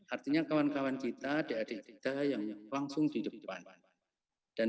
artinya kawan kawan kita adik adik kita yang langsung duduk di depan